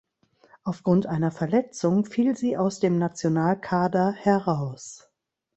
Aufgrund einer Verletzung fiel sie aus dem Nationalkader heraus.